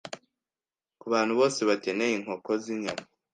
ku bantu bose bakeneye inkoko z’inyama